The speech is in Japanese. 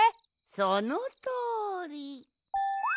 そのとおり。